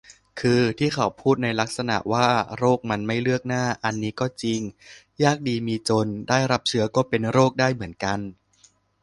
คือที่เขาพูดในลักษณะว่า "โรคมันไม่เลือกหน้า" อันนี้ก็จริง ยากดีมีจน ได้รับเชื้อก็เป็นโรคได้เหมือนกัน